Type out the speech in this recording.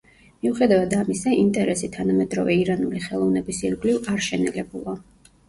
მიუხედავად ამისა, ინტერესი თანამედროვე ირანული ხელოვნების ირგვლივ არ შენელებულა.